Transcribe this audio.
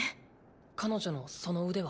彼女のその腕は？